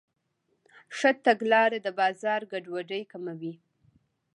ښه تګلاره د بازار ګډوډي کموي.